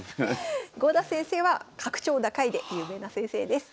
郷田先生は格調高いで有名な先生です。